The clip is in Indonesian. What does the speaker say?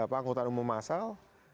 anggota umum masal